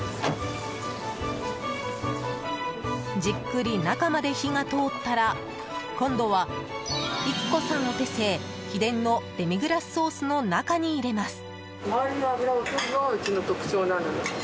じっくり、中まで火が通ったら今度は郁古さんお手製秘伝のデミグラスソースの中に入れます。